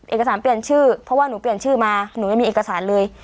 เอกสารเปลี่ยนชื่อเพราะว่าหนูเปลี่ยนชื่อมาหนูยังมีเอกสารเลย